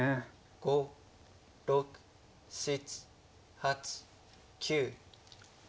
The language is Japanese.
５６７８９。